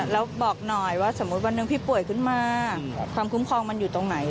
แล้วบอกหน่อยว่าสมมุติวันหนึ่งพี่ป่วยขึ้นมาความคุ้มครองมันอยู่ตรงไหน